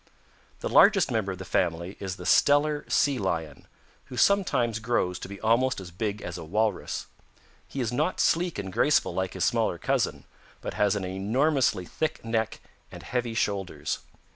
"The largest member of the family is the Steller Sea Lion, who sometimes grows to be almost as big as a Walrus. He is not sleek and graceful like his smaller cousin, but has an enormously thick neck and heavy shoulders.